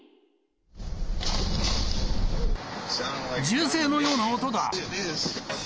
銃声のような音だ。